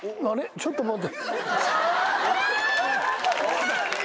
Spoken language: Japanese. ちょっと待って。